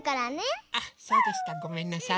あそうでしたごめんなさい。